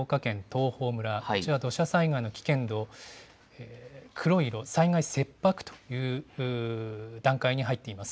こちらは土砂災害の危険度、黒い色、災害切迫という段階に入っています。